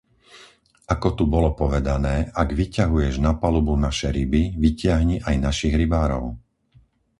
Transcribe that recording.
Ako tu bolo povedané, ak vyťahuješ na palubu naše ryby, vytiahni aj našich rybárov.